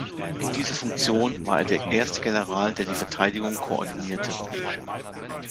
In dieser Funktion war er der erste General, der die Verteidigung koordinierte.